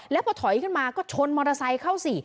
แล้วพอถอยขึ้นมาก็ชนมอเตอร์ไซค์เข้าสิ